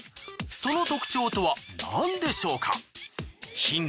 その特徴とはなんでしょうか？